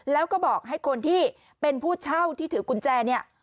แล้วก็บอกให้คนที่เป็นผู้เช่าที่ถือกุญแจเนี่ย